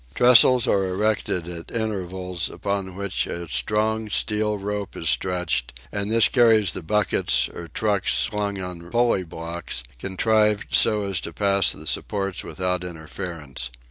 Trestles are erected at intervals upon which a strong steel rope is stretched and this carries the buckets or trucks slung on pulley blocks, contrived so as to pass the supports without interference.